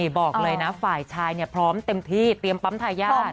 บอกเลยนะฝ่ายชายพร้อมเต็มที่เตรียมปั๊มทายาท